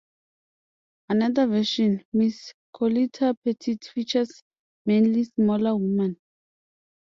Another version, "Miss Colita Petite", features mainly smaller women.